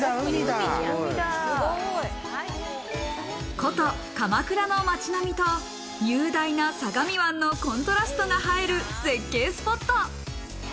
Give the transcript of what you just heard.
古都・鎌倉の街並みと雄大な相模湾のコントラストが映える絶景スポット。